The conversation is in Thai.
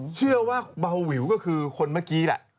เขาจะเชื่อว่าเบาหวิวก็คือคนเมื่อทีแหละ